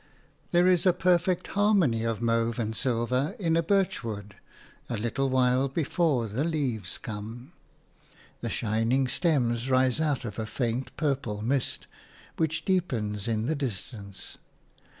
There is a perfect harmony of mauve and silver in a birch wood a little while before the leaves come. The shining stems rise out of a faint purple mist which deepens in the distance.